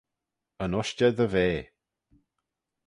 Yn ushtey dy vea.